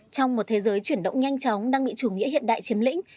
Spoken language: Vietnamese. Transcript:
trong một thế giới chuyển động nhanh chóng đang bị chủ nghĩa hiện đại chiếm lĩnh